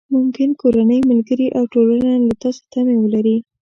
ممکن کورنۍ، ملګري او ټولنه له تاسې تمې ولري.